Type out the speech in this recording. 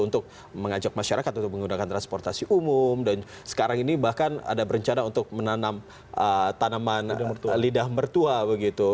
untuk mengajak masyarakat untuk menggunakan transportasi umum dan sekarang ini bahkan ada berencana untuk menanam tanaman lidah mertua begitu